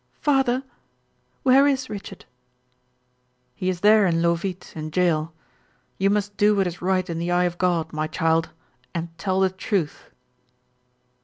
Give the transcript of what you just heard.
"Father! Where is Richard?" "He is there in Leauvite, in jail. You must do what is right in the eye of God, my child, and tell the truth."